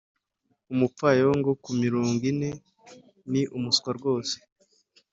umupfayongo kuri mirongo ine ni umuswa rwose.